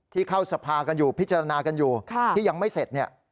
ที่เข้าสภากันอยู่พิจารณากันอยู่ที่ยังไม่เสร็จเนี่ย